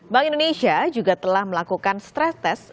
bank indonesia juga telah melakukan stress